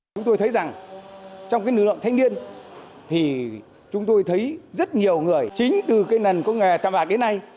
chúng tôi thấy rằng trong cái lượng thanh niên thì chúng tôi thấy rất nhiều người chính từ cái lần công nghề chạm bạc đến nay